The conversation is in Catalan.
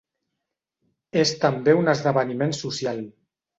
És també un esdeveniment social.